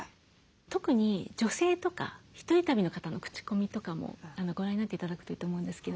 特に女性とか１人旅の方の口コミとかもご覧になって頂くといいと思うんですけどね。